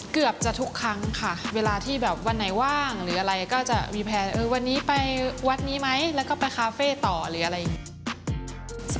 เกือบจะทุกครั้งค่ะเวลาที่แบบวันไหนว่างหรืออะไรก็จะมีแพลนวันนี้ไปวัดนี้ไหมแล้วก็ไปคาเฟ่ต่อหรืออะไรอย่างนี้